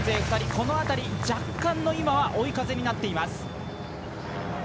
この辺り若干の追い風になっています。